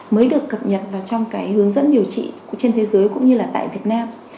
mới được cập nhật vào trong hướng dẫn điều trị trên thế giới cũng như tại việt nam